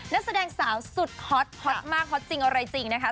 นักแสดงสาวสุดฮอตฮอตมากฮอตจริงอะไรจริงนะคะ